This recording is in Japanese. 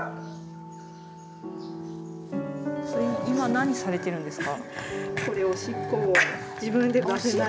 今何されてるんですか？